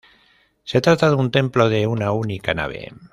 Se trata de un templo de una única nave.